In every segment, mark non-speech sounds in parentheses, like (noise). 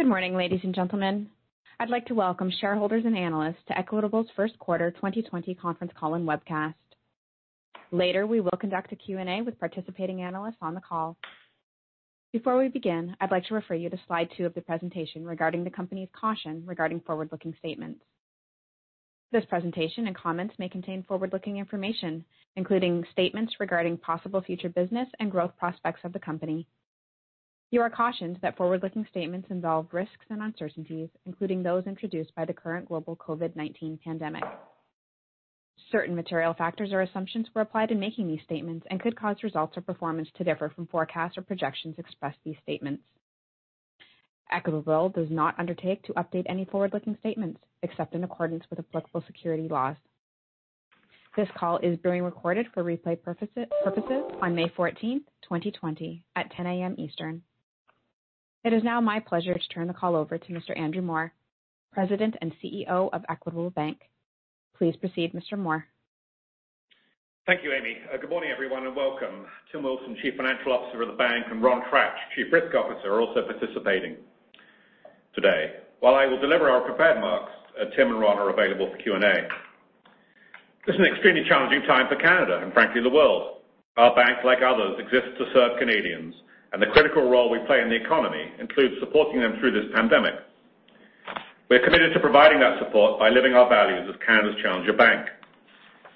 Good morning, ladies and gentlemen. I'd like to welcome shareholders and analysts to Equitable's Q1 2020 Conference Call and Webcast. Later, we will conduct a Q&A with participating analysts on the call. Before we begin, I'd like to refer you to slide two of the presentation regarding the company's caution regarding forward-looking statements. This presentation and comments may contain forward-looking information, including statements regarding possible future business and growth prospects of the company. You are cautioned that forward-looking statements involve risks and uncertainties, including those introduced by the current global COVID-19 pandemic. Certain material factors or assumptions were applied in making these statements and could cause results or performance to differ from forecasts or projections expressed in these statements. Equitable does not undertake to update any forward-looking statements except in accordance with applicable securities laws. This call is being recorded for replay purposes on 14 May 2020, at 10:00 AM Eastern. It is now my pleasure to turn the call over to Mr. Andrew Moor, President and CEO of Equitable Bank. Please proceed, Mr. Moor. Thank you, Amy. Good morning, everyone, and welcome. Tim Wilson, Chief Financial Officer of the bank, and Ron Tratch, Chief Risk Officer, are also participating today. While I will deliver our prepared remarks, Tim and Ron are available for Q&A. This is an extremely challenging time for Canada and, frankly, the world. Our bank, like others, exists to serve Canadians, and the critical role we play in the economy includes supporting them through this pandemic. We're committed to providing that support by living our values as Canada's challenger bank.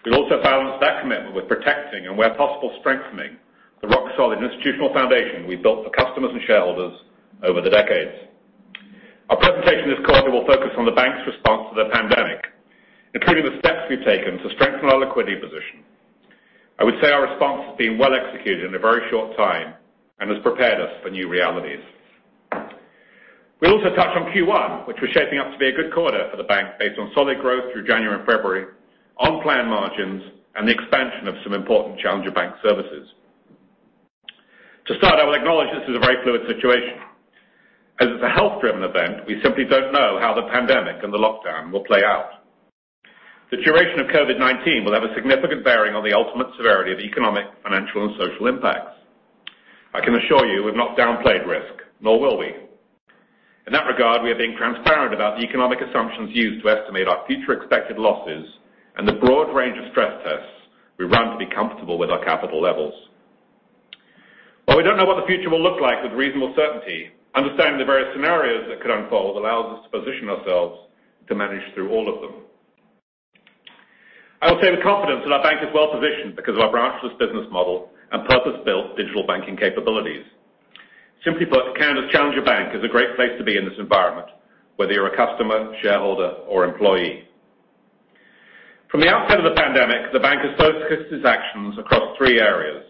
We'll also balance that commitment with protecting and, where possible, strengthening the rock-solid institutional foundation we've built for customers and shareholders over the decades. Our presentation this quarter will focus on the bank's response to the pandemic, including the steps we've taken to strengthen our liquidity position. I would say our response has been well executed in a very short time and has prepared us for new realities. We'll also touch on Q1, which was shaping up to be a good quarter for the bank based on solid growth through January and February, on-plan margins, and the expansion of some important challenger bank services. To start, I will acknowledge this is a very fluid situation. As it's a health-driven event, we simply don't know how the pandemic and the lockdown will play out. The duration of COVID-19 will have a significant bearing on the ultimate severity of the economic, financial, and social impacts. I can assure you we've not downplayed risk, nor will we. In that regard, we are being transparent about the economic assumptions used to estimate our future expected losses and the broad range of stress tests we run to be comfortable with our capital levels. While we don't know what the future will look like with reasonable certainty, understanding the various scenarios that could unfold allows us to position ourselves to manage through all of them. I will say with confidence that our bank is well positioned because of our robust business model and purpose-built digital banking capabilities. Simply put, Canada's challenger bank is a great place to be in this environment, whether you're a customer, shareholder, or employee. From the outset of the pandemic, the bank has focused its actions across three areas: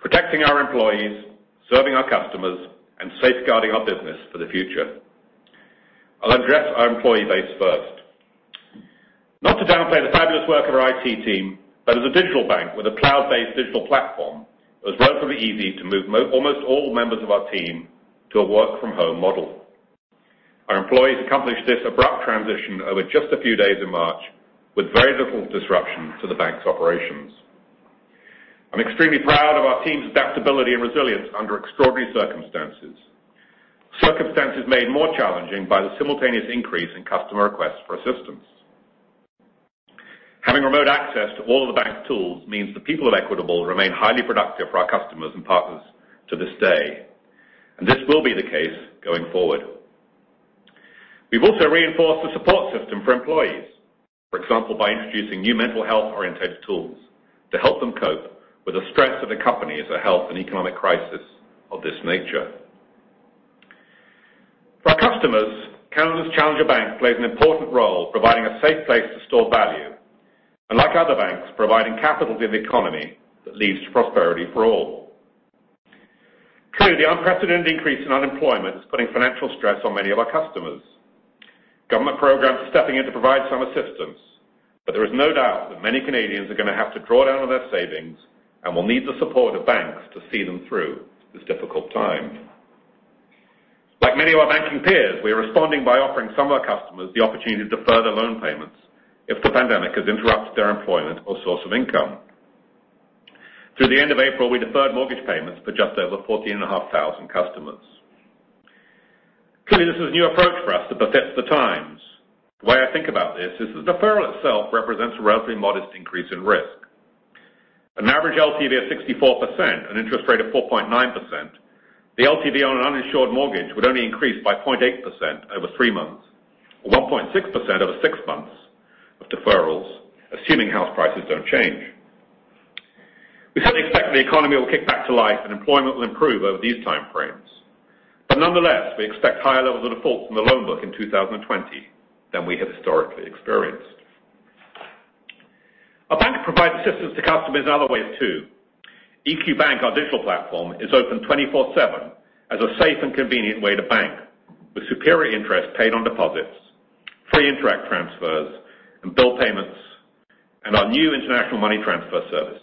protecting our employees, serving our customers, and safeguarding our business for the future. I'll address our employee base first. Not to downplay the fabulous work of our IT team, but as a digital bank with a cloud-based digital platform, it was relatively easy to move almost all members of our team to a work-from-home model. Our employees accomplished this abrupt transition over just a few days in March with very little disruption to the bank's operations. I'm extremely proud of our team's adaptability and resilience under extraordinary circumstances, circumstances made more challenging by the simultaneous increase in customer requests for assistance. Having remote access to all of the bank's tools means the people of Equitable remain highly productive for our customers and partners to this day, and this will be the case going forward. We've also reinforced the support system for employees, for example, by introducing new mental health-oriented tools to help them cope with the stress of a country's health and economic crisis of this nature. For our customers, Canada's challenger bank plays an important role providing a safe place to store value, and like other banks, providing capital to the economy that leads to prosperity for all. Clearly, the unprecedented increase in unemployment is putting financial stress on many of our customers. Government programs are stepping in to provide some assistance, but there is no doubt that many Canadians are going to have to draw down on their savings and will need the support of banks to see them through this difficult time. Like many of our banking peers, we are responding by offering some of our customers the opportunity to defer their loan payments if the pandemic has interrupted their employment or source of income. Through the end of April, we deferred mortgage payments for just over 14,500 customers. Clearly, this is a new approach for us that befits the times. The way I think about this is that the deferral itself represents a relatively modest increase in risk. An average LTV of 64% and an interest rate of 4.9%, the LTV on an uninsured mortgage would only increase by 0.8% over three months or 1.6% over six months of deferrals, assuming house prices don't change. We certainly expect the economy will kick back to life and employment will improve over these time frames. But nonetheless, we expect higher levels of default in the loan book in 2020 than we have historically experienced. Our bank provides assistance to customers in other ways too. EQ Bank, our digital platform, is open 24/7 as a safe and convenient way to bank, with superior interest paid on deposits, free Interac transfers, and bill payments, and our new International Money Transfer service.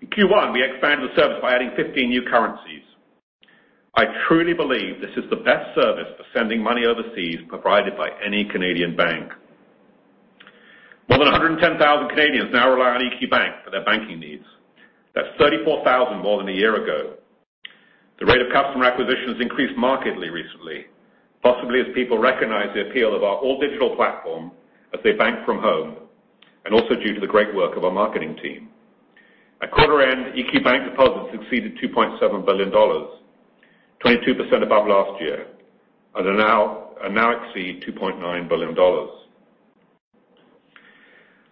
In Q1, we expanded the service by adding 15 new currencies. I truly believe this is the best service for sending money overseas provided by any Canadian bank. More than 110,000 Canadians now rely on EQ Bank for their banking needs. That's 34,000 more than a year ago. The rate of customer acquisition has increased markedly recently, possibly as people recognize the appeal of our all-digital platform as they bank from home and also due to the great work of our marketing team. At quarter-end, EQ Bank deposits exceeded 2.7 billion dollars, 22% above last year, and now exceed 2.9 billion dollars.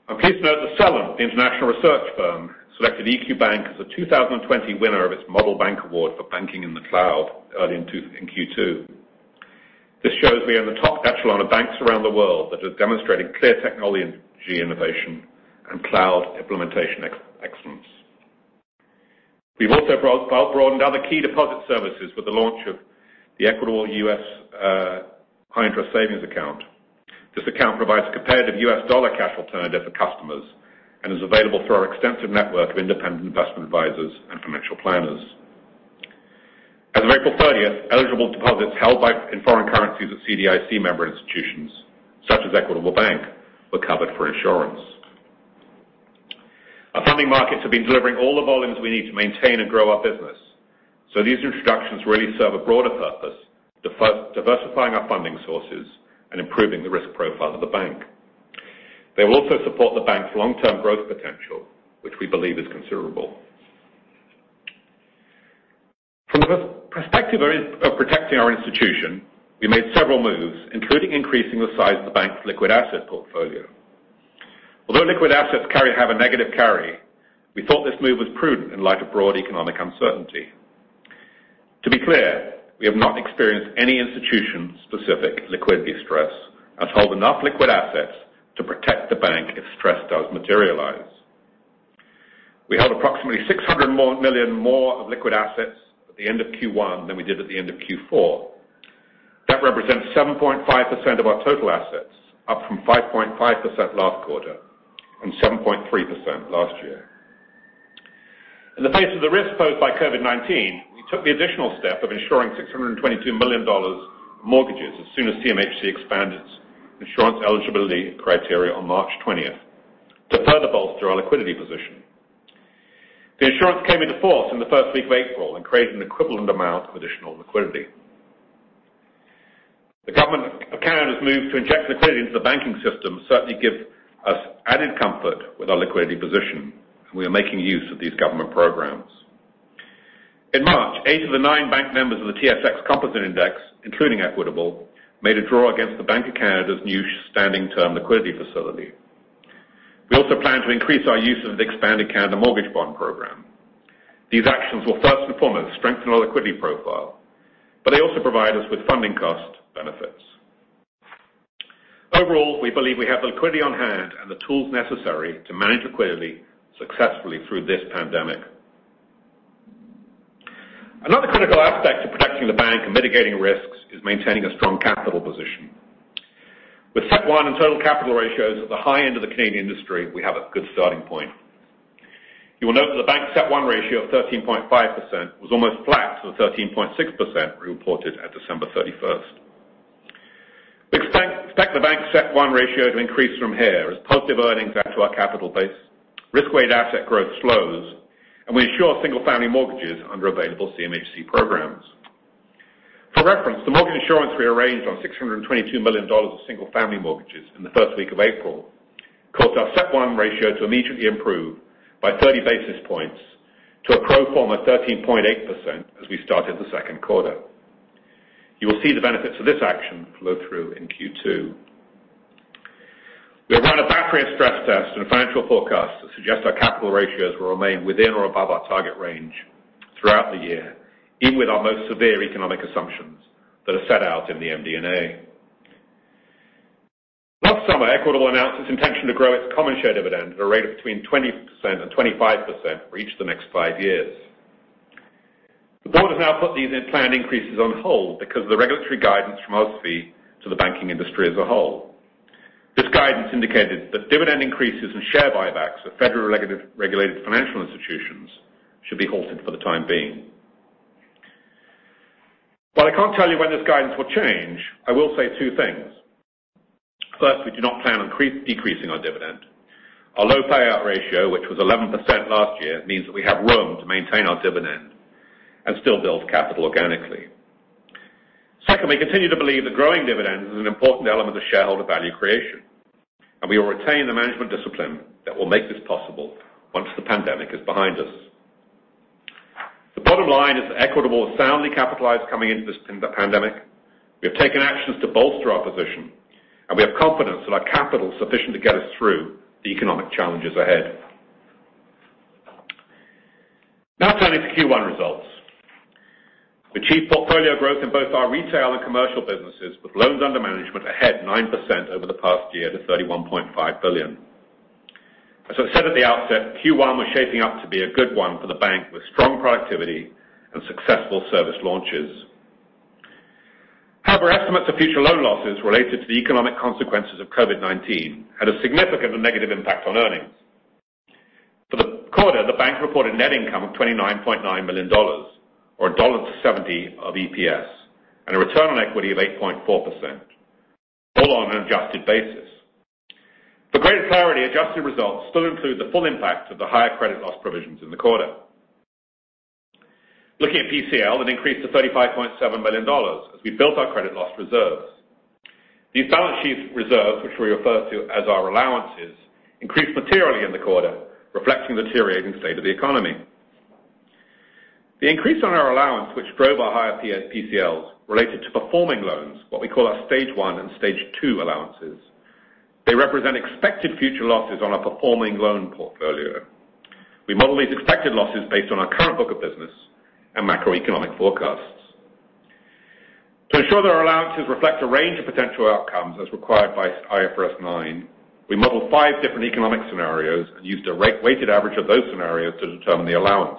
I'm pleased to note that Celent, the international research firm, selected EQ Bank as the 2020 winner of its Model Bank Award for Banking in the Cloud early in Q2. This shows we are in the top echelon of banks around the world that have demonstrated clear technology innovation and cloud implementation excellence. We've also broadened other key deposit services with the launch of the Equitable US High-Interest Savings Account. This account provides a comparative US dollar cash alternative for customers and is available through our extensive network of independent investment advisors and financial planners. As of 30 April eligible deposits held in foreign currencies at CDIC member institutions such as Equitable Bank were covered for insurance. Our funding markets have been delivering all the volumes we need to maintain and grow our business, so these introductions really serve a broader purpose: diversifying our funding sources and improving the risk profile of the bank. They will also support the bank's long-term growth potential, which we believe is considerable. From the perspective of protecting our institution, we made several moves, including increasing the size of the bank's liquid asset portfolio. Although liquid assets have a negative carry, we thought this move was prudent in light of broad economic uncertainty. To be clear, we have not experienced any institution-specific liquidity stress and hold enough liquid assets to protect the bank if stress does materialize. We held approximately 600 million more of liquid assets at the end of Q1 than we did at the end of Q4. That represents 7.5% of our total assets, up from 5.5% last quarter and 7.3% last year. In the face of the risk posed by COVID-19, we took the additional step of insuring 622 million dollars mortgages as soon as CMHC expanded its insurance eligibility criteria on 20 March to further bolster our liquidity position. The insurance came into force in the first week of April and created an equivalent amount of additional liquidity. The government of Canada's move to inject liquidity into the banking system certainly gives us added comfort with our liquidity position, and we are making use of these government programs. In March, eight of the nine bank members of the TSX Composite Index, including Equitable, made a draw against the Bank of Canada's new Standing Term Liquidity Facility. We also plan to increase our use of the expanded Canada Mortgage Bond program. These actions will, first and foremost, strengthen our liquidity profile, but they also provide us with funding cost benefits. Overall, we believe we have the liquidity on hand and the tools necessary to manage liquidity successfully through this pandemic. Another critical aspect of protecting the bank and mitigating risks is maintaining a strong capital position. With CET1 and total capital ratios at the high end of the Canadian industry, we have a good starting point. You will note that the bank's CET1 ratio of 13.5% was almost flat to the 13.6% reported at 31 December. We expect the bank's CET1 ratio to increase from here as positive earnings add to our capital base, risk-weighted asset growth slows, and we ensure single-family mortgages under available CMHC programs. For reference, the mortgage insurance we arranged on 622 million dollars of single-family mortgages in the first week of April caused our CET1 ratio to immediately improve by 30 basis points to a pro forma 13.8% as we started Q2. You will see the benefits of this action flow through in Q2. We have run a battery of stress tests and financial forecasts that suggest our capital ratios will remain within or above our target range throughout the year, even with our most severe economic assumptions that are set out in the MD&A. Last summer, Equitable announced its intention to grow its common share dividend at a rate of between 20% and 25% for each of the next five years. The board has now put these planned increases on hold because of the regulatory guidance from OSFI to the banking industry as a whole. This guidance indicated that dividend increases and share buybacks of federally regulated financial institutions should be halted for the time being. While I can't tell you when this guidance will change, I will say two things. First, we do not plan on decreasing our dividend. Our low payout ratio, which was 11% last year, means that we have room to maintain our dividend and still build capital organically. Second, we continue to believe that growing dividends is an important element of shareholder value creation, and we will retain the management discipline that will make this possible once the pandemic is behind us. The bottom line is that Equitable has soundly capitalized coming into this pandemic. We have taken actions to bolster our position, and we have confidence that our capital is sufficient to get us through the economic challenges ahead. Now turning to Q1 results. We achieved portfolio growth in both our retail and commercial businesses with loans under management ahead 9% over the past year to 31.5 billion. As I said at the outset, Q1 was shaping up to be a good one for the bank with strong productivity and successful service launches. However, estimates of future loan losses related to the economic consequences of COVID-19 had a significant and negative impact on earnings. For the quarter, the bank reported net income of 29.9 million dollars, or 1.70 dollar of EPS, and a return on equity of 8.4%, all on an adjusted basis. For greater clarity, adjusted results still include the full impact of the higher credit loss provisions in the quarter. Looking at PCL, that increased to 35.7 million dollars as we built our credit loss reserves. These balance sheet reserves, which we refer to as our allowances, increased materially in the quarter, reflecting the deteriorating state of the economy. The increase on our allowance, which drove our higher PCLs, related to performing loans, what we call our Stage 1 and Stage 2 allowances. They represent expected future losses on our performing loan portfolio. We model these expected losses based on our current book of business and macroeconomic forecasts. To ensure that our allowances reflect a range of potential outcomes as required by IFRS 9, we modeled five different economic scenarios and used a weighted average of those scenarios to determine the allowance.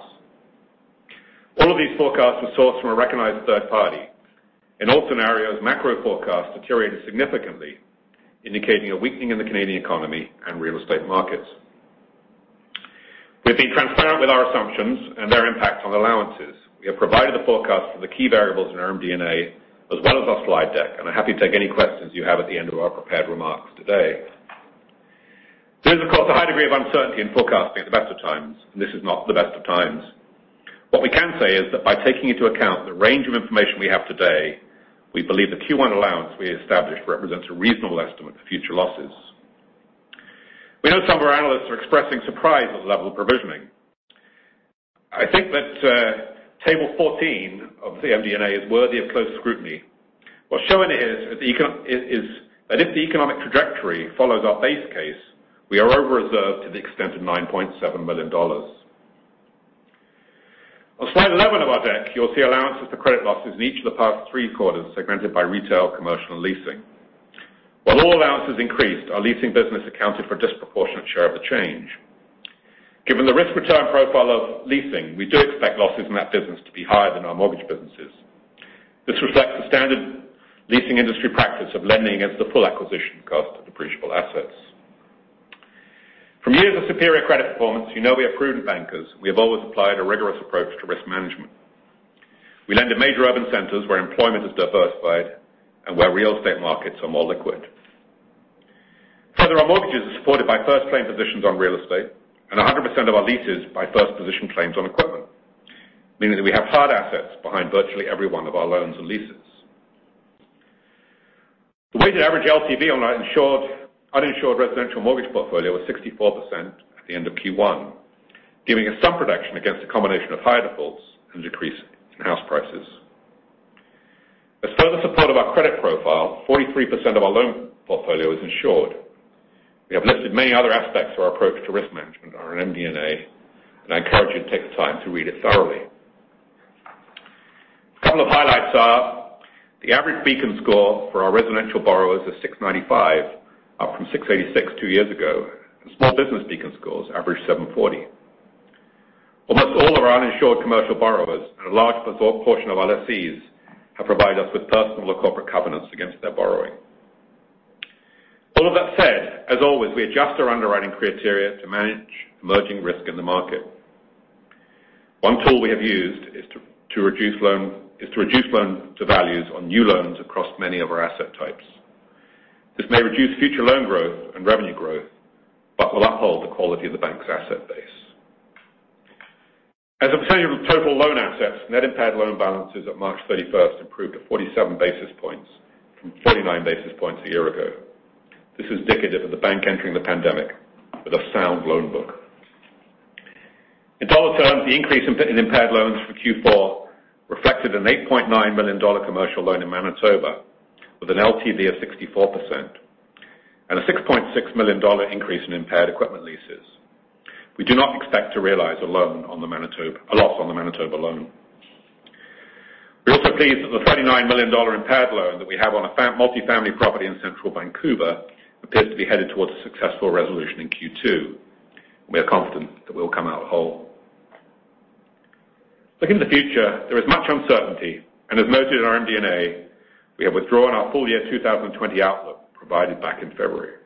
All of these forecasts were sourced from a recognized third party. In all scenarios, macro forecasts deteriorated significantly, indicating a weakening in the Canadian economy and real estate markets. We've been transparent with our assumptions and their impact on allowances. We have provided the forecasts for the key variables in our MD&A as well as our slide deck, and I'm happy to take any questions you have at the end of our prepared remarks today. There is, of course, a high degree of uncertainty in forecasting at the best of times, and this is not the best of times. What we can say is that by taking into account the range of information we have today, we believe the Q1 allowance we established represents a reasonable estimate for future losses. We know some of our analysts are expressing surprise at the level of provisioning. I think that table 14 of the MD&A is worthy of close scrutiny. What's showing here is that if the economic trajectory follows our base case, we are over-reserved to the extent of 9.7 million dollars. On slide 11 of our deck, you'll see allowances for credit losses in each of the past three quarters segmented by retail, commercial, and leasing. While all allowances increased, our leasing business accounted for a disproportionate share of the change. Given the risk-return profile of leasing, we do expect losses in that business to be higher than our mortgage businesses. This reflects the standard leasing industry practice of lending against the full acquisition cost of depreciable assets. From years of superior credit performance, you know we are prudent bankers and we have always applied a rigorous approach to risk management. We lend in major urban centers where employment is diversified and where real estate markets are more liquid. Further, our mortgages are supported by first claim positions on real estate and 100% of our leases by first position claims on equipment, meaning that we have hard assets behind virtually every one of our loans and leases. The weighted average LTV on our uninsured residential mortgage portfolio was 64% at the end of Q1, giving us some protection against a combination of higher defaults and a decrease in house prices. As further support of our credit profile, 43% of our loan portfolio is insured. We have listed many other aspects of our approach to risk management on our MD&A, and I encourage you to take the time to read it thoroughly. A couple of highlights are the average Beacon Score for our residential borrowers is 695, up from 686 two years ago, and small business Beacon Scores average 740. Almost all of our uninsured commercial borrowers and a large portion of our Lessees have provided us with personal or corporate covenants against their borrowing. All of that said, as always, we adjust our underwriting criteria to manage emerging risk in the market. One tool we have used is to reduce loan to values on new loans across many of our asset types. This may reduce future loan growth and revenue growth, but will uphold the quality of the bank's asset base. As a percentage of total loan assets, net impaired loan balances at March 31st improved to 47 basis points from 49 basis points a year ago. This is indicative of the bank entering the pandemic with a sound loan book. In dollar terms, the increase in impaired loans for Q4 reflected a 8.9 million dollar commercial loan in Manitoba with an LTV of 64% and a 6.6 million dollar increase in impaired equipment leases. We do not expect to realize a loss on the Manitoba loan. We're also pleased that the 39 million dollar impaired loan that we have on a multifamily property in central Vancouver appears to be headed towards a successful resolution in Q2, and we are confident that we'll come out whole. Looking to the future, there is much uncertainty, and as noted in our MD&A, we have withdrawn our full year 2020 outlook provided back in February.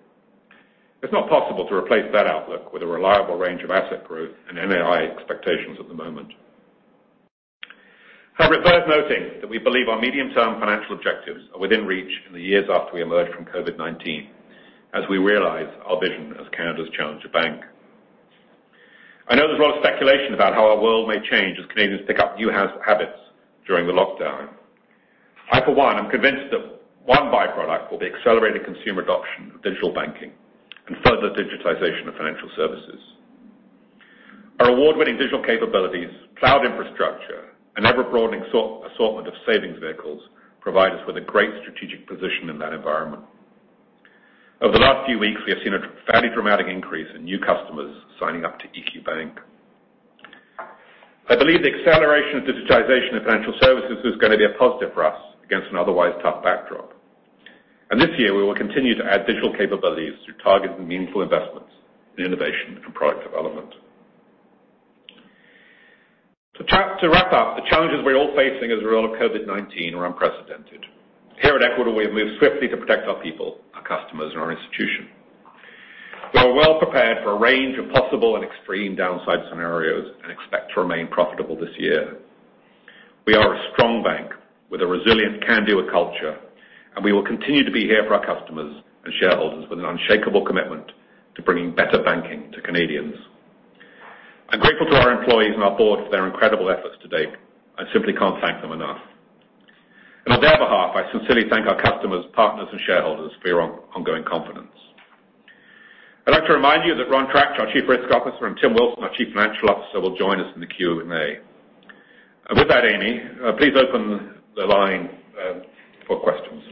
It's not possible to replace that outlook with a reliable range of asset growth and MAI expectations at the moment. However, it's worth noting that we believe our medium-term financial objectives are within reach in the years after we emerge from COVID-19, as we realize our vision as Canada's challenger bank. I know there's a lot of speculation about how our world may change as Canadians pick up new habits during the lockdown. I, for one, am convinced that one byproduct will be accelerated consumer adoption of digital banking and further digitization of financial services. Our award-winning digital capabilities, cloud infrastructure, and ever-broadening assortment of savings vehicles provide us with a great strategic position in that environment. Over the last few weeks, we have seen a fairly dramatic increase in new customers signing up to EQ Bank. I believe the acceleration of digitization of financial services is going to be a positive for us against an otherwise tough backdrop. And this year, we will continue to add digital capabilities through targeted and meaningful investments in innovation and product development. To wrap up, the challenges we're all facing as a result of COVID-19 are unprecedented. Here at Equitable, we have moved swiftly to protect our people, our customers, and our institution. We are well prepared for a range of possible and extreme downside scenarios and expect to remain profitable this year. We are a strong bank with a resilient can-do-it culture, and we will continue to be here for our customers and shareholders with an unshakable commitment to bringing better banking to Canadians. I'm grateful to our employees and our board for their incredible efforts today. I simply can't thank them enough. And on their behalf, I sincerely thank our customers, partners, and shareholders for your ongoing confidence. I'd like to remind you that Ron Tratch, our Chief Risk Officer, and Tim Wilson, our Chief Financial Officer, will join us in the Q&A. And with that, Amy, please open the line for questions.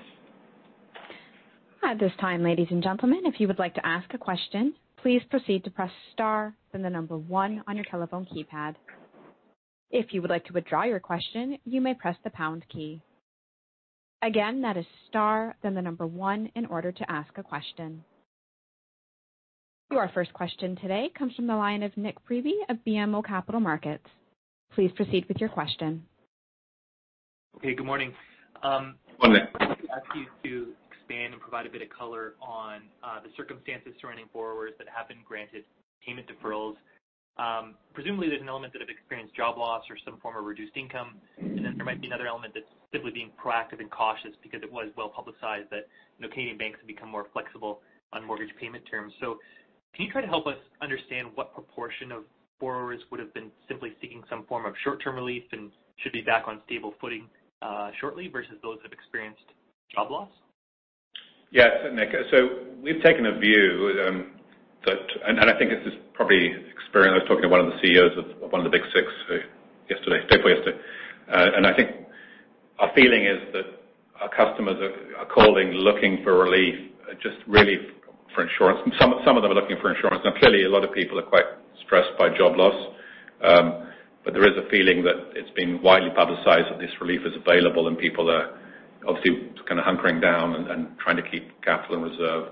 At this time, ladies and gentlemen, if you would like to ask a question, please proceed to press star, then the number one on your telephone keypad. If you would like to withdraw your question, you may press the pound key. Again, that is star, then the number one in order to ask a question. Your first question today comes from the line of Nik Priebe of BMO Capital Markets. Please proceed with your question. Okay. Good morning. I'd like to ask you to expand and provide a bit of color on the circumstances surrounding borrowers that have been granted payment deferrals. Presumably, there's an element that have experienced job loss or some form of reduced income, and then there might be another element that's simply being proactive and cautious because it was well publicized that Canadian banks have become more flexible on mortgage payment terms. So can you try to help us understand what proportion of borrowers would have been simply seeking some form of short-term relief and should be back on stable footing shortly versus those that have experienced job loss? Yes, Nick, so we've taken a view that, and I think this is probably experienced. I was talking to one of the CEOs of one of the big six yesterday, stable yesterday, and I think our feeling is that our customers are calling, looking for relief, just really for reassurance. Some of them are looking for reassurance. Now, clearly, a lot of people are quite stressed by job loss, but there is a feeling that it's been widely publicized that this relief is available and people are obviously kind of hunkering down and trying to keep capital in reserve.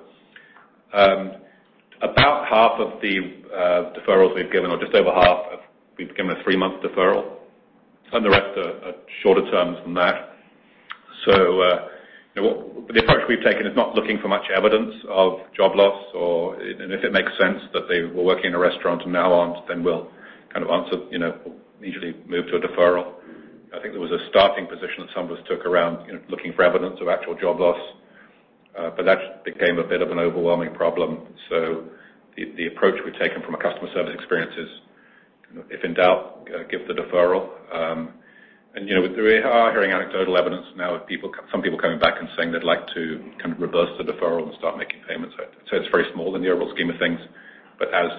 About half of the deferrals we've given are just over half of a three-month deferral, and the rest are shorter terms than that. So the approach we've taken is not looking for much evidence of job loss or, and if it makes sense that they were working in a restaurant and now aren't, then we'll kind of answer, usually move to a deferral. I think there was a starting position that some of us took around looking for evidence of actual job loss, but that became a bit of an overwhelming problem. So the approach we've taken from a customer service experience is, if in doubt, give the deferral. And we are hearing anecdotal evidence now of some people coming back and saying they'd like to kind of reverse the deferral and start making payments. So it's very small in the overall scheme of things, but as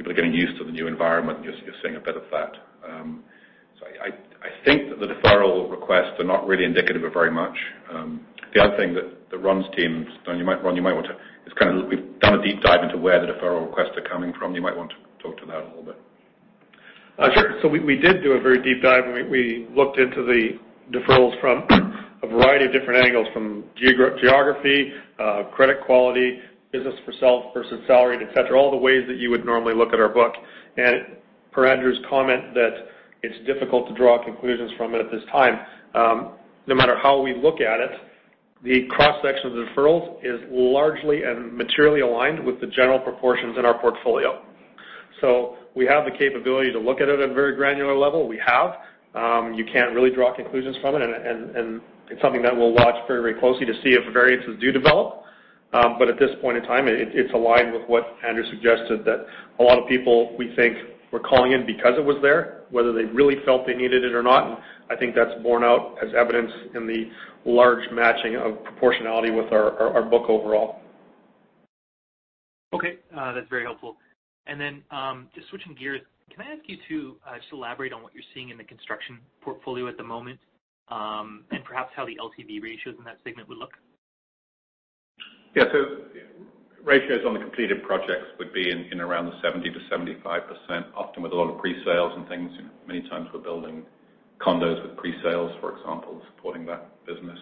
people are getting used to the new environment, you're seeing a bit of that. So I think that the deferral requests are not really indicative of very much. The other thing that Ron's team (don't you mind, Ron? You might want to) is kind of we've done a deep dive into where the deferral requests are coming from. You might want to talk to that a little bit. Sure, so we did do a very deep dive. We looked into the deferrals from a variety of different angles: from geography, credit quality, business for sale versus salaried, etc., all the ways that you would normally look at our book, and per Andrew's comment, that it's difficult to draw conclusions from it at this time. No matter how we look at it, the cross-section of the deferrals is largely and materially aligned with the general proportions in our portfolio, so we have the capability to look at it at a very granular level. We have. You can't really draw conclusions from it, and it's something that we'll watch very, very closely to see if variances do develop. But at this point in time, it's aligned with what Andrew suggested, that a lot of people, we think, were calling in because it was there, whether they really felt they needed it or not. And I think that's borne out as evidence in the large matching of proportionality with our book overall. Okay. That's very helpful. And then just switching gears, can I ask you to just elaborate on what you're seeing in the construction portfolio at the moment and perhaps how the LTV ratios in that segment would look? Yeah, so ratios on the completed projects would be in around the 70%-75%, often with a lot of pre-sales and things. Many times we're building condos with pre-sales, for example, supporting that business.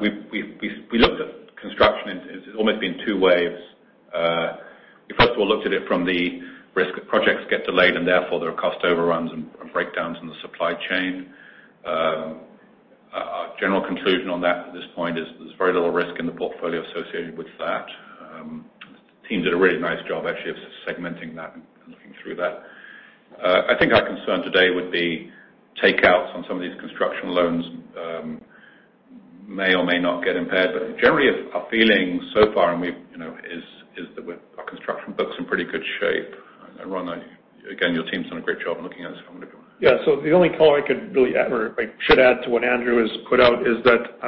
We looked at construction. It's almost been two waves. We, first of all, looked at it from the risk of projects getting delayed and therefore there are cost overruns and breakdowns in the supply chain. Our general conclusion on that at this point is there's very little risk in the portfolio associated with that. Teams did a really nice job, actually, of segmenting that and looking through that. I think our concern today would be takeouts on some of these construction loans may or may not get impaired. But generally, our feeling so far is that our construction book's in pretty good shape. Ron, again, your team's done a great job looking at this. Yeah. So the only color I could really add, or I should add to what Andrew has put out, is that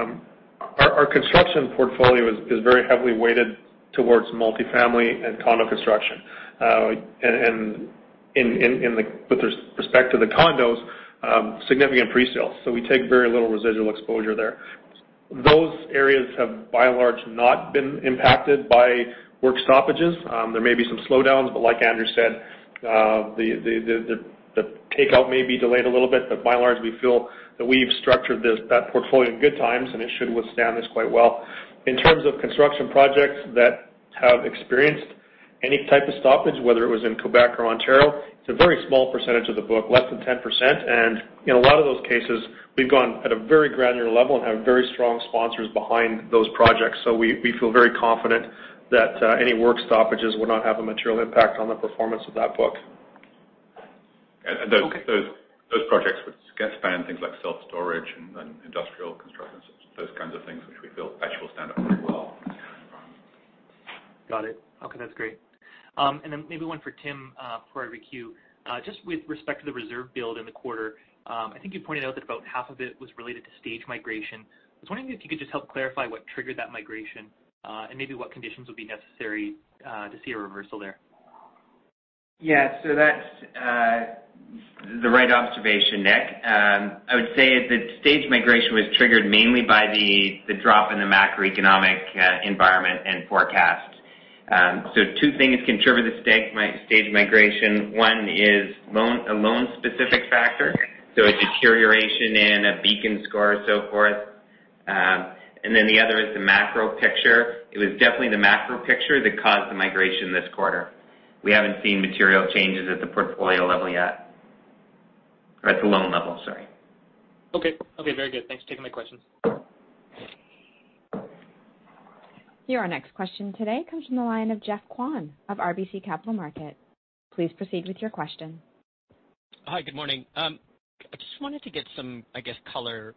our construction portfolio is very heavily weighted towards multifamily and condo construction. And with respect to the condos, significant pre-sales. So we take very little residual exposure there. Those areas have, by and large, not been impacted by work stoppages. There may be some slowdowns, but like Andrew said, the takeout may be delayed a little bit. But by and large, we feel that we've structured that portfolio in good times, and it should withstand this quite well. In terms of construction projects that have experienced any type of stoppage, whether it was in Quebec or Ontario, it's a very small percentage of the book, less than 10%. In a lot of those cases, we've gone at a very granular level and have very strong sponsors behind those projects. We feel very confident that any work stoppages will not have a material impact on the performance of that book. Those projects would span things like self-storage and industrial construction, those kinds of things, which we feel actually will stand up really well. Got it. Okay. That's great. And then maybe one for Tim for EQ. Just with respect to the reserve build in the quarter, I think you pointed out that about half of it was related to stage migration. I was wondering if you could just help clarify what triggered that migration and maybe what conditions would be necessary to see a reversal there. Yeah. So that's the right observation, Nick. I would say that stage migration was triggered mainly by the drop in the macroeconomic environment and forecast. So two things contribute to stage migration. One is a loan-specific factor, so a deterioration in a Beacon Score or so forth. And then the other is the macro picture. It was definitely the macro picture that caused the migration this quarter. We haven't seen material changes at the portfolio level yet. That's the loan level, sorry. Okay. Okay. Very good. Thanks for taking my questions. Your next question today comes from the line of Geoff Kwan of RBC Capital Markets. Please proceed with your question. Hi, good morning. I just wanted to get some, I guess, color,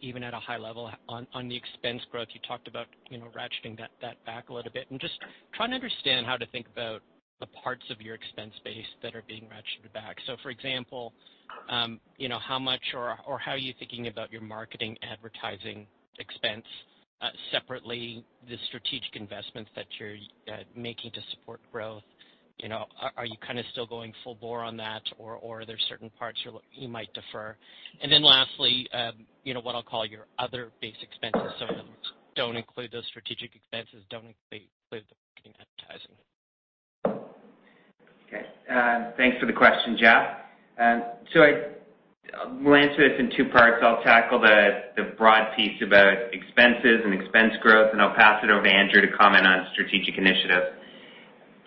even at a high level, on the expense growth. You talked about ratcheting that back a little bit and just trying to understand how to think about the parts of your expense base that are being ratcheted back. So for example, how much or how are you thinking about your marketing advertising expense separately, the strategic investments that you're making to support growth? Are you kind of still going full bore on that, or are there certain parts you might defer? And then lastly, what I'll call your other base expenses. So don't include those strategic expenses, don't include the marketing advertising. Okay. Thanks for the question, Geoff. So I will answer this in two parts. I'll tackle the broad piece about expenses and expense growth, and I'll pass it over to Andrew to comment on strategic initiatives.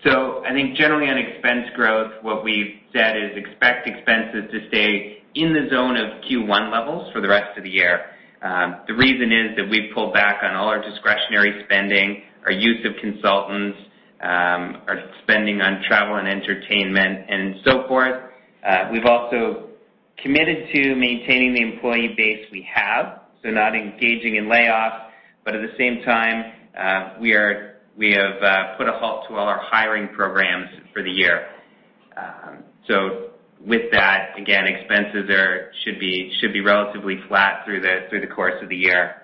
So I think generally on expense growth, what we've said is expect expenses to stay in the zone of Q1 levels for the rest of the year. The reason is that we've pulled back on all our discretionary spending, our use of consultants, our spending on travel and entertainment, and so forth. We've also committed to maintaining the employee base we have, so not engaging in layoffs, but at the same time, we have put a halt to all our hiring programs for the year. So with that, again, expenses should be relatively flat through the course of the year.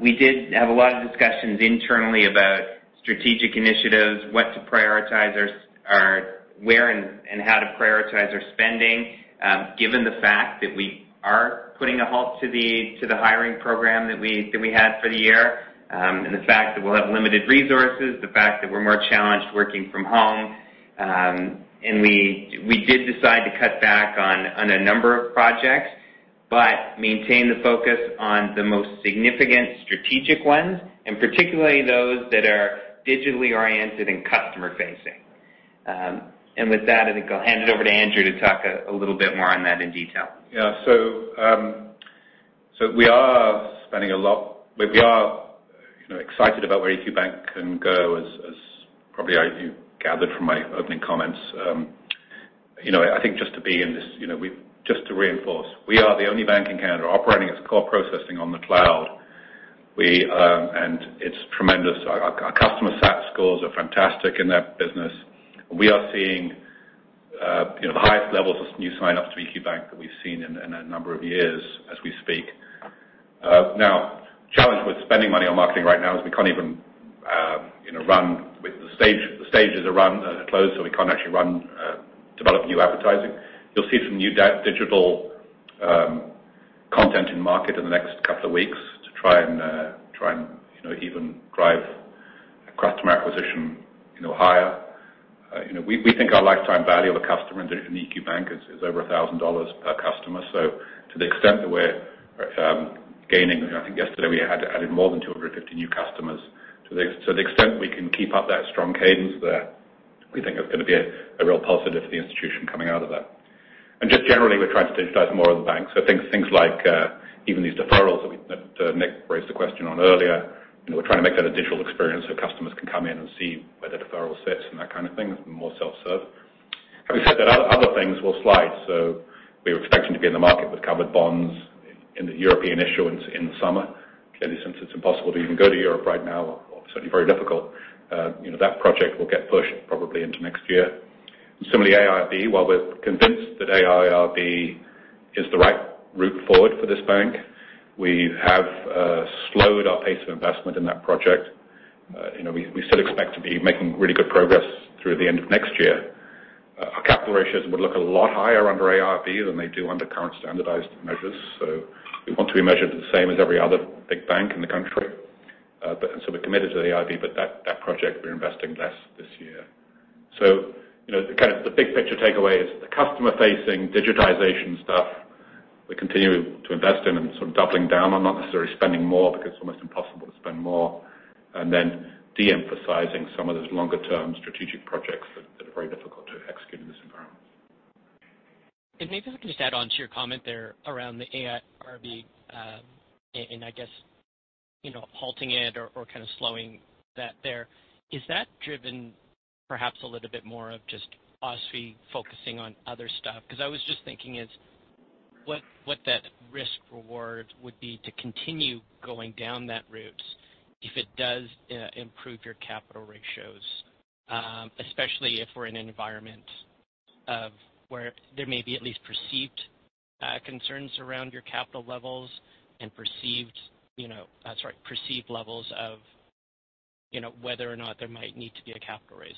We did have a lot of discussions internally about strategic initiatives, what to prioritize, where and how to prioritize our spending, given the fact that we are putting a halt to the hiring program that we had for the year, and the fact that we'll have limited resources, the fact that we're more challenged working from home. And we did decide to cut back on a number of projects but maintain the focus on the most significant strategic ones, and particularly those that are digitally oriented and customer-facing. And with that, I think I'll hand it over to Andrew to talk a little bit more on that in detail. Yeah. So we are spending a lot. We are excited about where EQ Bank can go, as probably you gathered from my opening comments. I think just to be in this, just to reinforce, we are the only bank in Canada operating as core processing on the cloud, and it's tremendous. Our customer SAT scores are fantastic in that business. We are seeing the highest levels of new sign-ups to EQ Bank that we've seen in a number of years as we speak. Now, the challenge with spending money on marketing right now is we can't even run the stages are closed, so we can't actually develop new advertising. You'll see some new digital content in market in the next couple of weeks to try and even drive customer acquisition higher. We think our lifetime value of a customer in EQ Bank is over 1,000 dollars per customer. To the extent that we're gaining, I think yesterday we had added more than 250 new customers. To the extent we can keep up that strong cadence there, we think it's going to be a real positive for the institution coming out of that. And just generally, we're trying to digitize more of the bank. Things like even these deferrals that Nick raised a question on earlier, we're trying to make that a digital experience so customers can come in and see where the deferral sits and that kind of thing, more self-serve. Having said that, other things will slide. We were expecting to be in the market with covered bonds in the European issue in the summer. Clearly, since it's impossible to even go to Europe right now, certainly very difficult, that project will get pushed probably into next year. And similarly, AIRB, while we're convinced that AIRB is the right route forward for this bank, we have slowed our pace of investment in that project. We still expect to be making really good progress through the end of next year. Our capital ratios would look a lot higher under AIRB than they do under current standardized measures. So we want to be measured the same as every other big bank in the country. And so we're committed to AIRB, but that project, we're investing less this year. So kind of the big picture takeaway is the customer-facing digitization stuff we continue to invest in and sort of doubling down on, not necessarily spending more because it's almost impossible to spend more, and then de-emphasizing some of those longer-term strategic projects that are very difficult to execute in this environment. Maybe if I can just add on to your comment there around the AIRB and I guess halting it or kind of slowing that there, is that driven perhaps a little bit more of just us focusing on other stuff? Because I was just thinking, what that risk-reward would be to continue going down that route if it does improve your capital ratios, especially if we're in an environment where there may be at least perceived concerns around your capital levels and perceived—sorry—perceived levels of whether or not there might need to be a capital raise.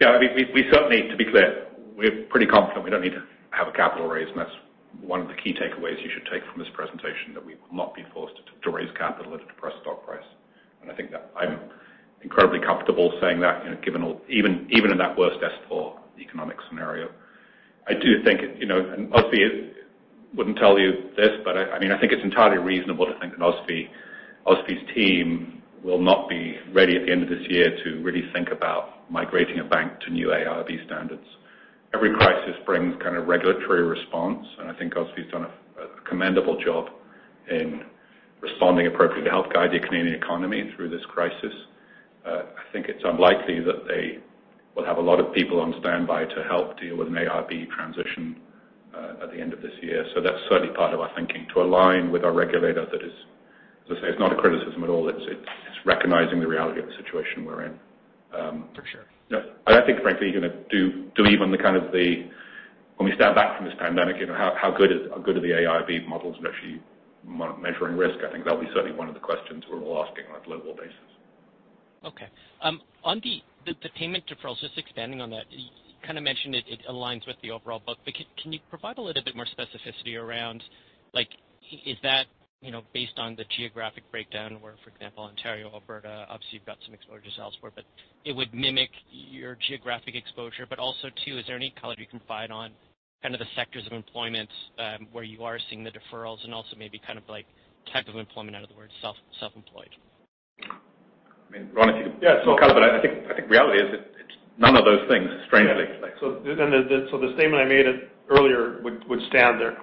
Yeah. I mean, we certainly, to be clear, we're pretty confident we don't need to have a capital raise. And that's one of the key takeaways you should take from this presentation, that we will not be forced to raise capital at a depressed stock price. And I think that I'm incredibly comfortable saying that, even in that worst-case economic scenario. I do think, and OSFI wouldn't tell you this, but I mean, I think it's entirely reasonable to think that OSFI's team will not be ready at the end of this year to really think about migrating a bank to new AIRB standards. Every crisis brings kind of regulatory response, and I think OSFI's done a commendable job in responding appropriately to help guide the Canadian economy through this crisis. I think it's unlikely that they will have a lot of people on standby to help deal with an AIRB transition at the end of this year. So that's certainly part of our thinking to align with our regulator that is, as I say, it's not a criticism at all. It's recognizing the reality of the situation we're in. For sure. I think, frankly, you're going to do even the kind of the when we stand back from this pandemic, how good are the AIRB models in actually measuring risk? I think that'll be certainly one of the questions we're all asking on a global basis. Okay. On the payment deferrals, just expanding on that, you kind of mentioned it aligns with the overall book, but can you provide a little bit more specificity around, is that based on the geographic breakdown where, for example, Ontario, Alberta, obviously you've got some exposures elsewhere, but it would mimic your geographic exposure? But also too, is there any color you can provide on kind of the sectors of employment where you are seeing the deferrals and also maybe kind of type of employment, in other words, self-employed? I mean, Ron, if you could. Yeah. So kind of, but I think reality is that it's none of those things, strangely. So the statement I made earlier would stand there.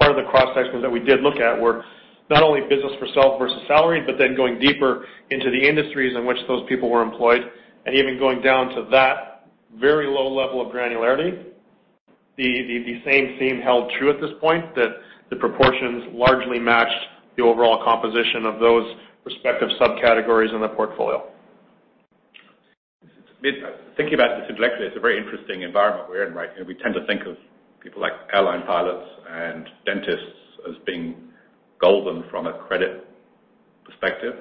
Part of the cross-section that we did look at were not only business for self versus salary, but then going deeper into the industries in which those people were employed. And even going down to that very low level of granularity, the same theme held true at this point, that the proportions largely matched the overall composition of those respective subcategories in the portfolio. Thinking about this intellectually, it's a very interesting environment we're in, right? We tend to think of people like airline pilots and dentists as being golden from a credit perspective.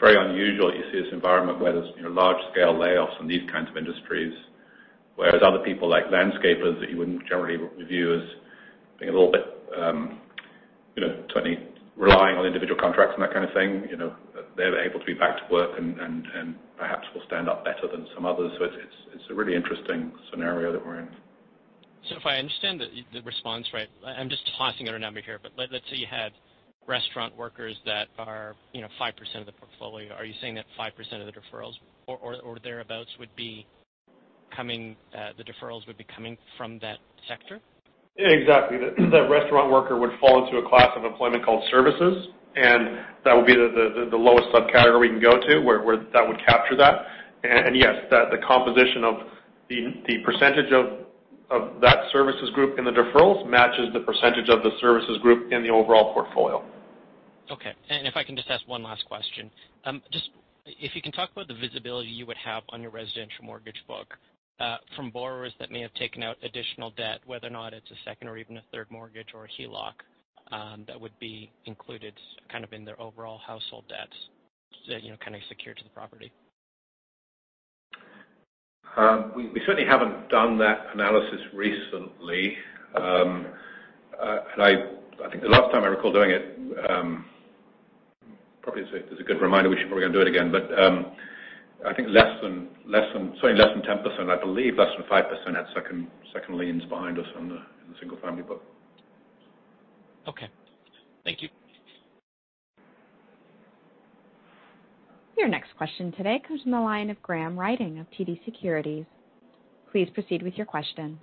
Very unusual that you see this environment where there's large-scale layoffs in these kinds of industries, whereas other people like landscapers that you wouldn't generally review as being a little bit certainly relying on individual contracts and that kind of thing, they're able to be back to work and perhaps will stand up better than some others. So it's a really interesting scenario that we're in. If I understand the response right, I'm just tossing out a number here, but let's say you had restaurant workers that are 5% of the portfolio. Are you saying that 5% of the deferrals or thereabouts would be coming from that sector? Yeah, exactly. The restaurant worker would fall into a class of employment called services, and that would be the lowest subcategory we can go to where that would capture that. And yes, the composition of the percentage of that services group in the deferrals matches the percentage of the services group in the overall portfolio. Okay, and if I can just ask one last question, just if you can talk about the visibility you would have on your residential mortgage book from borrowers that may have taken out additional debt, whether or not it's a second or even a third mortgage or a HELOC, that would be included kind of in their overall household debts that kind of secure to the property? We certainly haven't done that analysis recently, and I think the last time I recall doing it, probably as a good reminder, we should probably go and do it again, but I think certainly less than 10%, I believe less than 5% had second liens behind us in the single-family book. Okay. Thank you. Your next question today comes from the line of Graham Ryding of TD Securities. Please proceed with your question.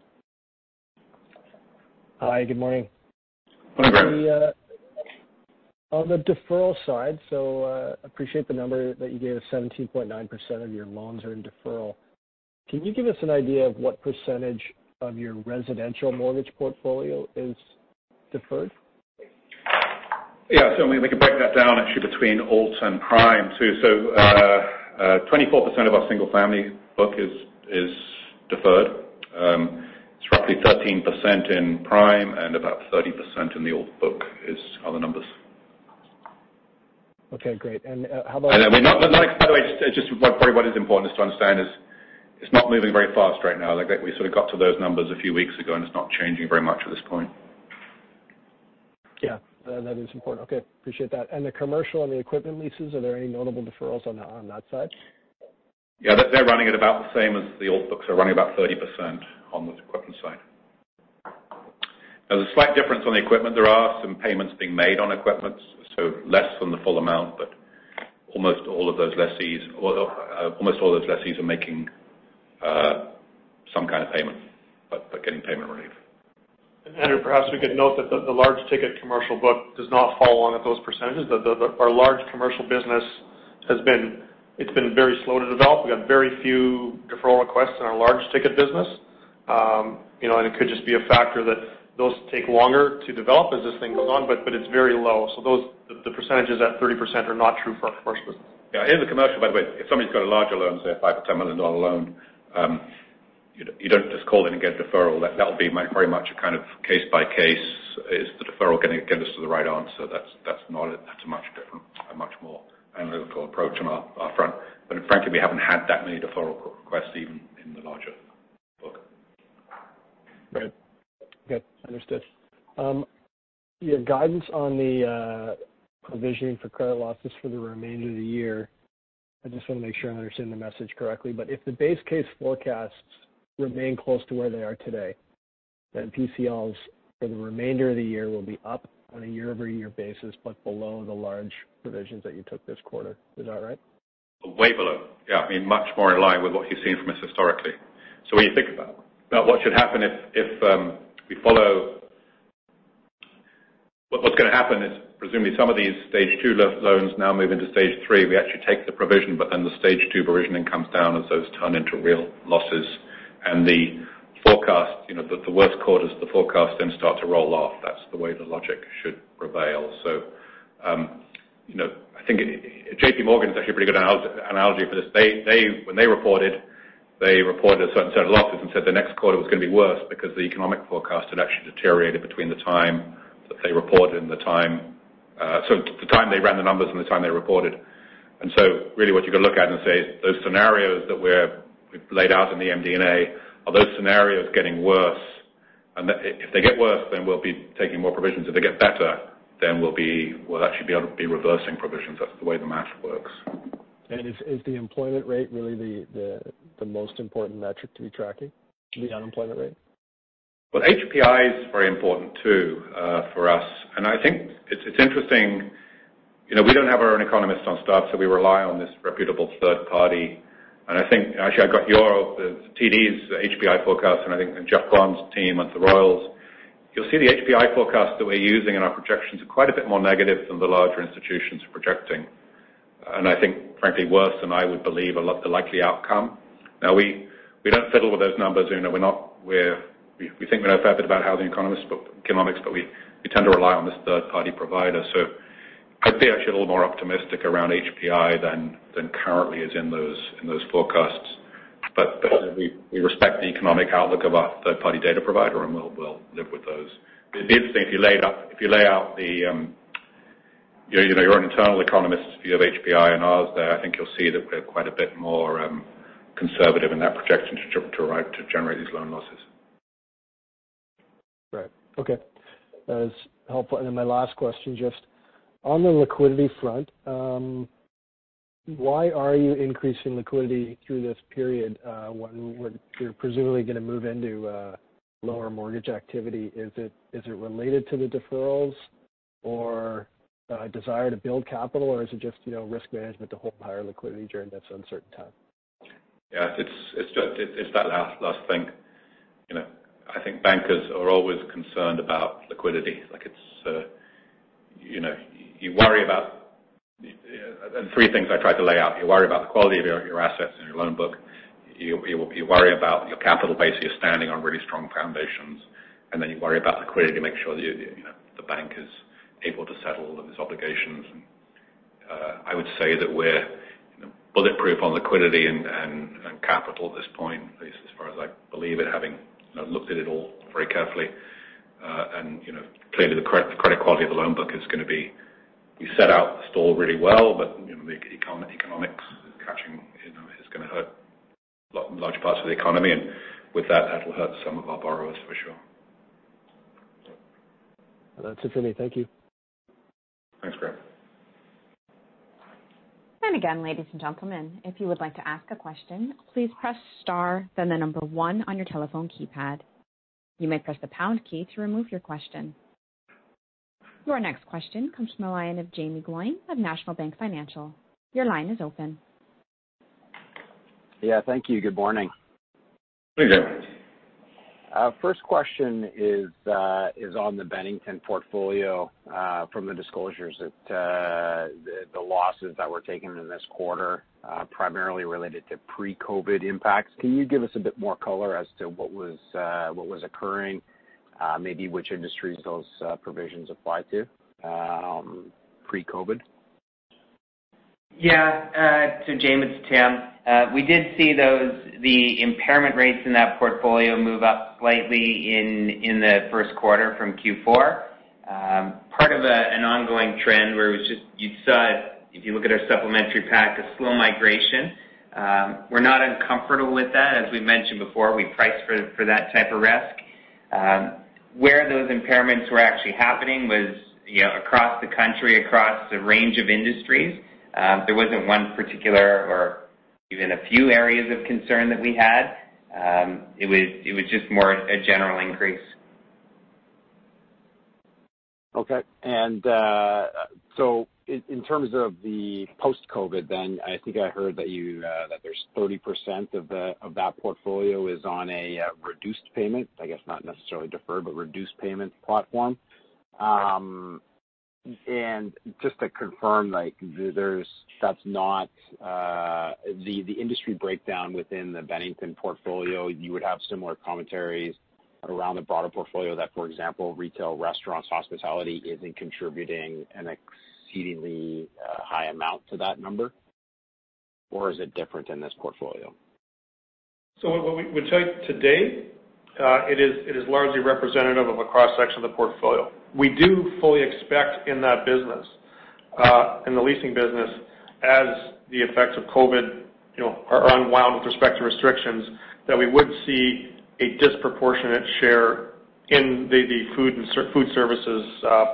Hi, good morning. Morning, Graham. On the deferral side, so I appreciate the number that you gave us, 17.9% of your loans are in deferral. Can you give us an idea of what percentage of your residential mortgage portfolio is deferred? Yeah. So I mean, we can break that down actually between alt and prime too. So 24% of our single-family book is deferred. It's roughly 13% in prime and about 30% in the Alt book are the numbers. Okay. Great. And how about? By the way, just probably what is important is to understand it's not moving very fast right now. We sort of got to those numbers a few weeks ago, and it's not changing very much at this point. Yeah. That is important. Okay. Appreciate that. And the commercial and the equipment leases, are there any notable deferrals on that side? Yeah. They're running at about the same as the Alt-A books. They're running about 30% on the equipment side. There's a slight difference on the equipment. There are some payments being made on equipment, so less than the full amount, but almost all of those lessees are making some kind of payment but getting payment relief. Andrew, perhaps we could note that the large-ticket commercial book does not fall on at those percentages. Our large commercial business has been very slow to develop. We got very few deferral requests in our large-ticket business. It could just be a factor that those take longer to develop as this thing goes on, but it's very low. The percentages at 30% are not true for our commercial business. Yeah. In the commercial, by the way, if somebody's got a larger loan, say a 5 or 10 million dollar loan, you don't just call in and get a deferral. That'll be very much a kind of case-by-case is the deferral getting us to the right answer. That's a much different and much more analytical approach on our front. But frankly, we haven't had that many deferral requests even in the larger book. Right. Okay. Understood. Your guidance on the provisioning for credit losses for the remainder of the year, I just want to make sure I'm understanding the message correctly. But if the base case forecasts remain close to where they are today, then PCLs for the remainder of the year will be up on a year-over-year basis but below the large provisions that you took this quarter. Is that right? Way below. Yeah. I mean, much more in line with what you've seen from us historically. So when you think about what should happen if we follow what's going to happen is presumably some of these Stage 2 loans now move into Stage 3. We actually take the provision, but then the Stage 2 provisioning comes down as those turn into real losses, and the worst quarters, the forecasts then start to roll off. That's the way the logic should prevail. So I think J.P. Morgan is actually a pretty good analogy for this. When they reported, they reported a certain set of losses and said the next quarter was going to be worse because the economic forecast had actually deteriorated between the time that they reported and the time they ran the numbers and the time they reported. And so really what you could look at and say is those scenarios that we've laid out in the MD&A, are those scenarios getting worse? And if they get worse, then we'll be taking more provisions. If they get better, then we'll actually be able to be reversing provisions. That's the way the math works. Is the employment rate really the most important metric to be tracking, the unemployment rate? HPI is very important too for us. And I think it's interesting. We don't have our own economists on staff, so we rely on this reputable third party. And I think actually I got your TD's HPI forecast, and I think Geoff Kwan's team and the Royals. You'll see the HPI forecast that we're using in our projections are quite a bit more negative than the larger institutions are projecting. And I think, frankly, worse than I would believe the likely outcome. Now, we don't fiddle with those numbers. We think we know a fair bit about housing economics, but we tend to rely on this third-party provider. So I'd be actually a little more optimistic around HPI than currently is in those forecasts. But we respect the economic outlook of our third-party data provider, and we'll live with those. It'd be interesting if you lay out your own internal economist's view of HPI and ours there. I think you'll see that we're quite a bit more conservative in that projection to generate these loan losses. Right. Okay. That is helpful. And then my last question just on the liquidity front, why are you increasing liquidity through this period when you're presumably going to move into lower mortgage activity? Is it related to the deferrals or desire to build capital, or is it just risk management to hold higher liquidity during this uncertain time? Yeah. It's that last thing. I think bankers are always concerned about liquidity. You worry about three things I tried to lay out. You worry about the quality of your assets and your loan book. You worry about your capital base that you're standing on really strong foundations, and then you worry about liquidity to make sure that the bank is able to settle all of its obligations, and I would say that we're bulletproof on liquidity and capital at this point, at least as far as I believe it, having looked at it all very carefully, and clearly, the credit quality of the loan book is going to be we set out the stall really well, but the economics is going to hurt large parts of the economy, and with that, that'll hurt some of our borrowers for sure. That's it for me. Thank you. Thanks, Graham. And again, ladies and gentlemen, if you would like to ask a question, please press star, then the number one on your telephone keypad. You may press the pound key to remove your question. Your next question comes from a line of Jaeme Gloyn of National Bank Financial. Your line is open. Yeah. Thank you. Good morning. Good morning, Gloyn. First question is on the Bennington portfolio from the disclosures. The losses that were taken in this quarter primarily related to pre-COVID impacts. Can you give us a bit more color as to what was occurring, maybe which industries those provisions applied to pre-COVID? Yeah. So Jaeme, it's Tim. We did see the impairment rates in that portfolio move up slightly in the first quarter from Q4. Part of an ongoing trend where you saw, if you look at our supplementary pack, a slow migration. We're not uncomfortable with that. As we've mentioned before, we price for that type of risk. Where those impairments were actually happening was across the country, across a range of industries. There wasn't one particular or even a few areas of concern that we had. It was just more a general increase. Okay. And so in terms of the post-COVID, then I think I heard that there's 30% of that portfolio is on a reduced payment, I guess not necessarily deferred, but reduced payment platform. And just to confirm, that's not the industry breakdown within the Bennington portfolio. You would have similar commentaries around the broader portfolio that, for example, retail, restaurants, hospitality isn't contributing an exceedingly high amount to that number, or is it different in this portfolio? So what we would say today, it is largely representative of a cross-section of the portfolio. We do fully expect in that business, in the leasing business, as the effects of COVID are unwound with respect to restrictions, that we would see a disproportionate share in the food services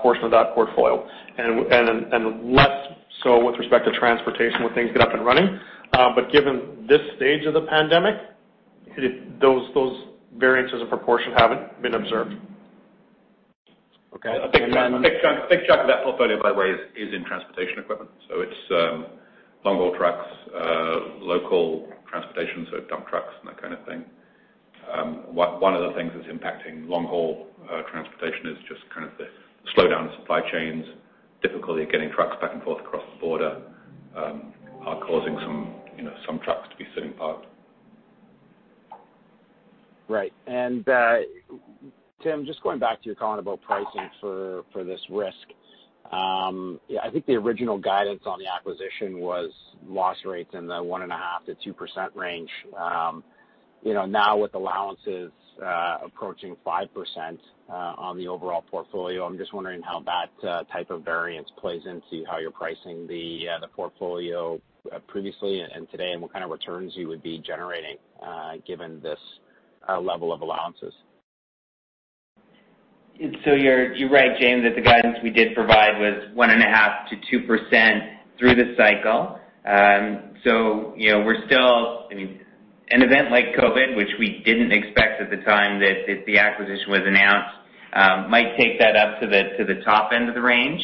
portion of that portfolio, and less so with respect to transportation when things get up and running. But given this stage of the pandemic, those variances of proportion haven't been observed. Okay, and then. (crosstalk) A big chunk of that portfolio, by the way, is in transportation equipment. So it's long-haul trucks, local transportation, so dump trucks and that kind of thing. One of the things that's impacting long-haul transportation is just kind of the slowdown in supply chains, difficulty getting trucks back and forth across the border are causing some trucks to be sitting parked. Right. And Tim, just going back to your comment about pricing for this risk, I think the original guidance on the acquisition was loss rates in the 1.5%-2% range. Now, with allowances approaching 5% on the overall portfolio, I'm just wondering how that type of variance plays into how you're pricing the portfolio previously and today and what kind of returns you would be generating given this level of allowances? So you're right, Jaeme, that the guidance we did provide was 1.5%-2% through the cycle. So we're still, I mean, an event like COVID, which we didn't expect at the time that the acquisition was announced, might take that up to the top end of the range,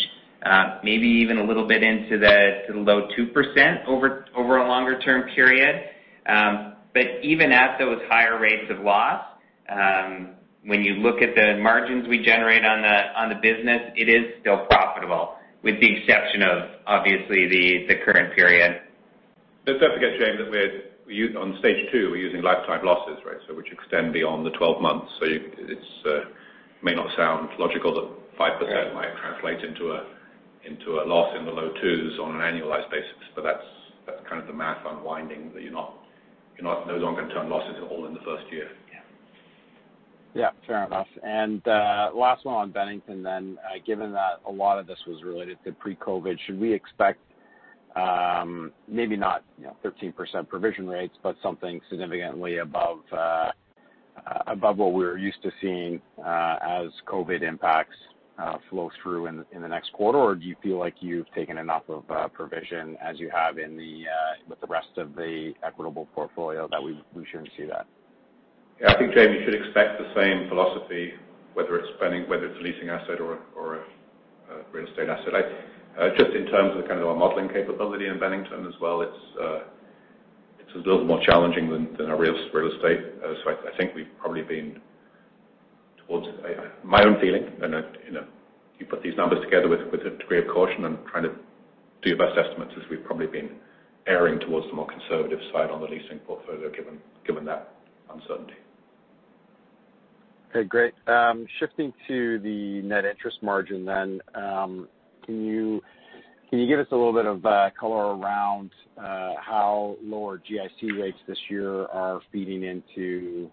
maybe even a little bit into the low 2% over a longer-term period. But even at those higher rates of loss, when you look at the margins we generate on the business, it is still profitable with the exception of, obviously, the current period. That's the case, James, that on Stage 2, we're using lifetime losses, right, which extend beyond the 12 months. So it may not sound logical that 5% might translate into a loss in the low 2s on an annualized basis, but that's kind of the math unwinding that you're no longer going to turn losses all in the first year. Yeah. Fair enough. And last one on Bennington then. Given that a lot of this was related to pre-COVID, should we expect maybe not 13% provision rates, but something significantly above what we were used to seeing as COVID impacts flow through in the next quarter, or do you feel like you've taken enough of provision as you have with the rest of the Equitable portfolio that we shouldn't see that? Yeah. I think Jamie should expect the same philosophy, whether it's leasing asset or a real estate asset. Just in terms of kind of our modeling capability in Bennington as well, it's a little more challenging than our real estate. So I think we've probably been towards my own feeling, and you put these numbers together with a degree of caution and trying to do your best estimates, we've probably been erring towards the more conservative side on the leasing portfolio given that uncertainty. Okay. Great. Shifting to the net interest margin then, can you give us a little bit of color around how lower GIC rates this year are feeding into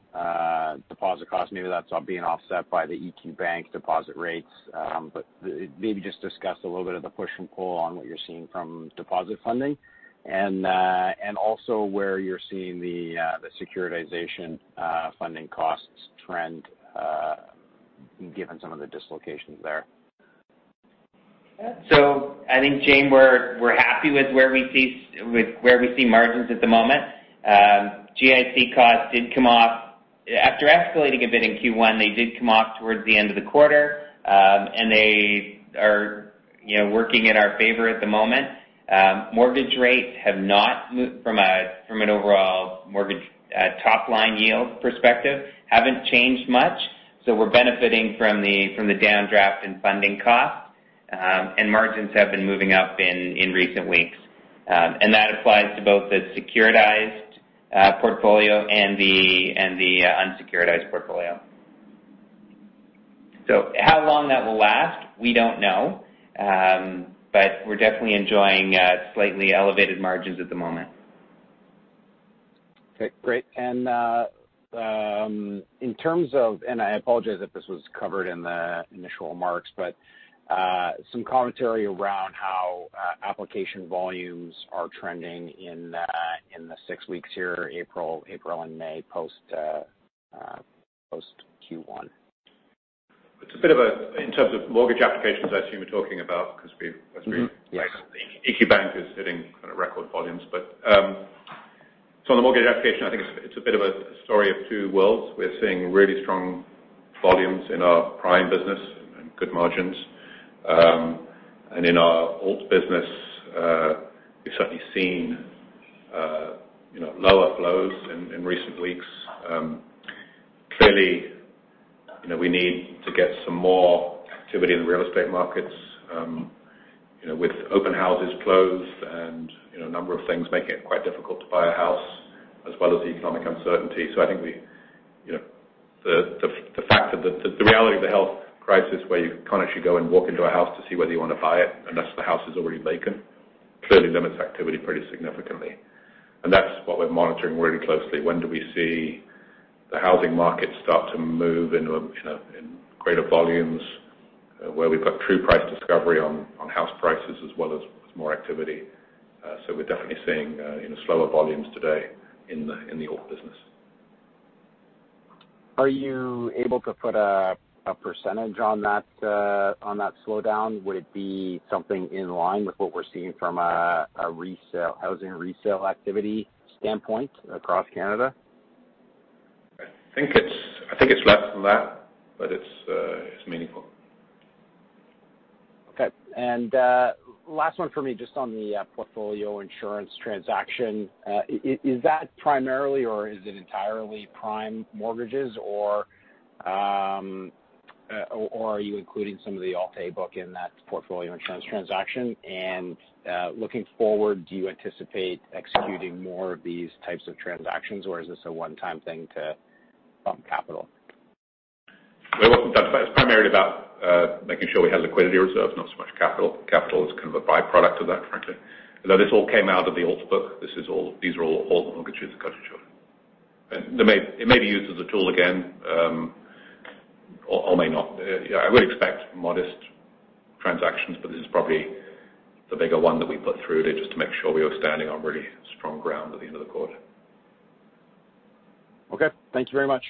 deposit costs? Maybe that's being offset by the EQ Bank deposit rates. But maybe just discuss a little bit of the push and pull on what you're seeing from deposit funding and also where you're seeing the securitization funding costs trend given some of the dislocations there. So I think, Jamie, we're happy with where we see margins at the moment. GIC costs did come off. After escalating a bit in Q1, they did come off towards the end of the quarter, and they are working in our favor at the moment. Mortgage rates have not moved from an overall mortgage top-line yield perspective, haven't changed much. So we're benefiting from the downdraft in funding costs, and margins have been moving up in recent weeks. And that applies to both the securitized portfolio and the unsecuritized portfolio. So how long that will last, we don't know, but we're definitely enjoying slightly elevated margins at the moment. Okay. Great. And in terms of, and I apologize if this was covered in the initial remarks, but some commentary around how application volumes are trending in the six weeks here, April and May post Q1. It's a bit of a, in terms of mortgage applications. I assume you're talking about [it] because EQ Bank is hitting kind of record volumes. But on the mortgage application, I think it's a bit of a story of two worlds. We're seeing really strong volumes in our prime business and good margins. In our Alt-A business, we've certainly seen lower flows in recent weeks. Clearly, we need to get some more activity in the real estate markets with open houses closed and a number of things making it quite difficult to buy a house, as well as the economic uncertainty. I think the fact that the reality of the health crisis where you can't actually go and walk into a house to see whether you want to buy it unless the house is already vacant clearly limits activity pretty significantly. That's what we're monitoring really closely. When do we see the housing market start to move in greater volumes where we've got true price discovery on house prices as well as more activity? So we're definitely seeing slower volumes today in the Alt-A business. Are you able to put a percentage on that slowdown? Would it be something in line with what we're seeing from a housing resale activity standpoint across Canada? I think it's less than that, but it's meaningful. Okay. And last one for me, just on the portfolio insurance transaction. Is that primarily, or is it entirely prime mortgages, or are you including some of the Alt-A book in that portfolio insurance transaction? And looking forward, do you anticipate executing more of these types of transactions, or is this a one-time thing to pump capital? It's primarily about making sure we have liquidity reserves, not so much capital. Capital is kind of a byproduct of that, frankly. Although this all came out of the alt book, these are all Alt mortgages, got insured. It may be used as a tool again or may not. I would expect modest transactions, but this is probably the bigger one that we put through just to make sure we were standing on really strong ground at the end of the quarter. Okay. Thank you very much.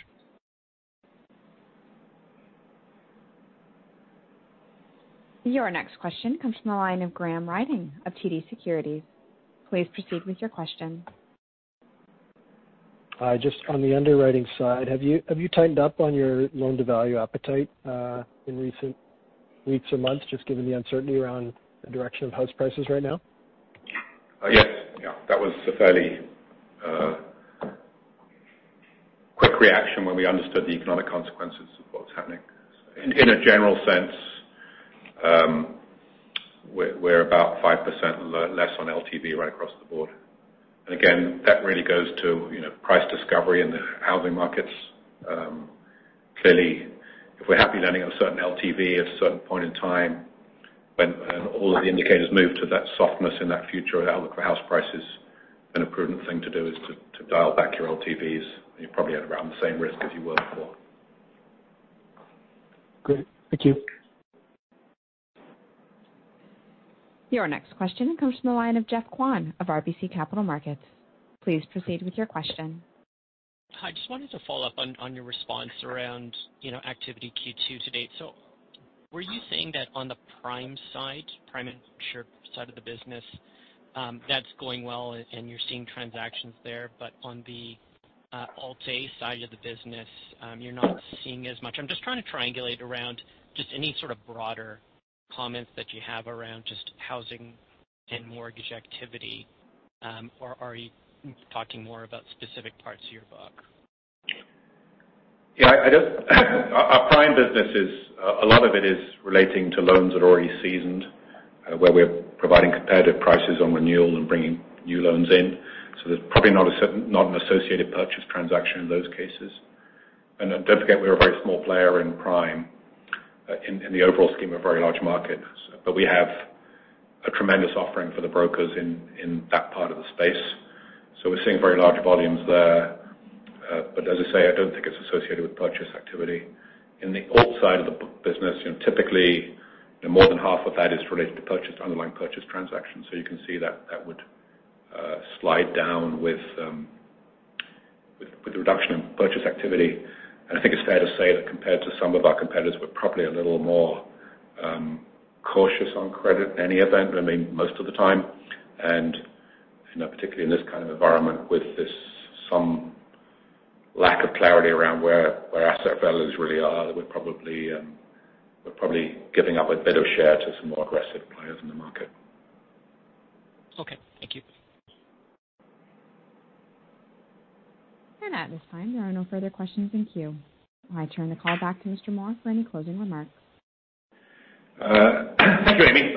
Your next question comes from the line of Graham Ryding of TD Securities. Please proceed with your question. Just on the underwriting side, have you tightened up on your loan-to-value appetite in recent weeks or months, just given the uncertainty around the direction of house prices right now? Yes. Yeah. That was a fairly quick reaction when we understood the economic consequences of what was happening. In a general sense, we're about 5% less on LTV right across the board. And again, that really goes to price discovery in the housing markets. Clearly, if we're happy landing a certain LTV at a certain point in time when all of the indicators move to that softness in that future, that'll look for house prices. And a prudent thing to do is to dial back your LTVs, and you're probably at around the same risk as you were before. Great. Thank you. Your next question comes from the line of Geoff Kwan of RBC Capital Markets. Please proceed with your question. Hi. Just wanted to follow up on your response around activity Q2 to date. So were you saying that on the prime side, prime insured side of the business, that's going well and you're seeing transactions there, but on the Alt-A side of the business, you're not seeing as much? I'm just trying to triangulate around just any sort of broader comments that you have around just housing and mortgage activity, or are you talking more about specific parts of your book? Yeah. Our prime business, a lot of it is relating to loans that are already seasoned, where we're providing competitive prices on renewal and bringing new loans in. So there's probably not an associated purchase transaction in those cases. And don't forget, we're a very small player in prime in the overall scheme of a very large market, but we have a tremendous offering for the brokers in that part of the space. So we're seeing very large volumes there. But as I say, I don't think it's associated with purchase activity. In the alt side of the business, typically more than half of that is related to underlying purchase transactions. So you can see that that would slide down with the reduction in purchase activity. I think it's fair to say that compared to some of our competitors, we're probably a little more cautious on credit in any event, I mean, most of the time. Particularly in this kind of environment with this some lack of clarity around where asset values really are, we're probably giving up a bit of share to some more aggressive players in the market. Okay. Thank you. And at this time, there are no further questions in queue. I turn the call back to Mr. Moor for any closing remarks. Thank you, Amy.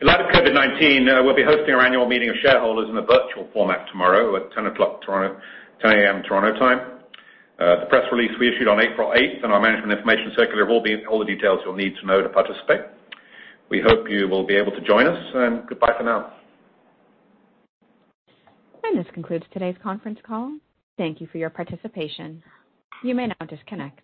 In light of COVID-19, we'll be hosting our annual meeting of shareholders in a virtual format tomorrow at 10:00 AM Toronto time. The press release we issued on 8 April and our management information circular have all the details you'll need to know to participate. We hope you will be able to join us, and goodbye for now. This concludes today's conference call. Thank you for your participation. You may now disconnect.